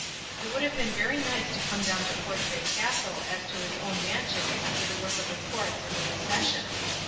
It would have been very nice to come down to Portray Castle as to his own mansion after the work of the courts and of the session.